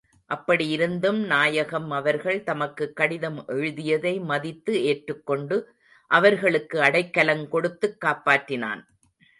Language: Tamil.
அப்படி இருந்தும் நாயகம் அவர்கள் தமக்குக் கடிதம் எழுதியதை மதித்து ஏற்றுக் கொண்டு, அவர்களுக்கு அடைக்கலங் கொடுத்துக் காப்பாற்றினான்.